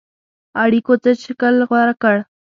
اړېکو څه شکل غوره کړ.